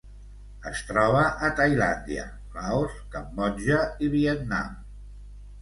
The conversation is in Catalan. Es troba a Tailàndia, Laos, Cambodja i Vietnam.